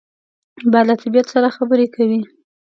باد له طبیعت سره خبرې کوي